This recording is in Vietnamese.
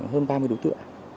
hơn ba mươi đối tượng